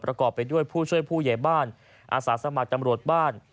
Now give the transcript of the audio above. ประกอบไปด้วยผู้ช่วยผู้ใหญ่บ้านอาสาสมัครตำรวจบ้าน